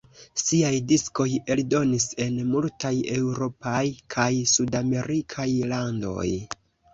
Siaj diskoj eldonis en multaj eŭropaj kaj sudamerikaj landoj.